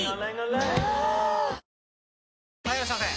ぷはーっ・はいいらっしゃいませ！